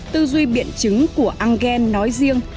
tư duy biện chứng của engel nói riêng